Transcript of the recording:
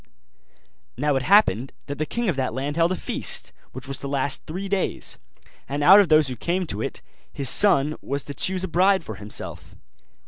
Now it happened that the king of that land held a feast, which was to last three days; and out of those who came to it his son was to choose a bride for himself.